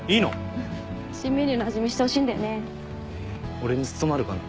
俺に務まるかな。